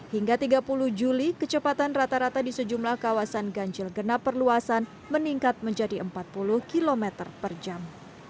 hingga tiga puluh juli kecepatan rata rata di sejumlah kawasan ganjil genap perluasan meningkat menjadi empat puluh km per jam